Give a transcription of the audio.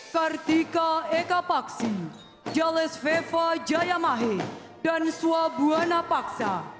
kartika eka paksi jales viva jayamahe dan swabwana paksa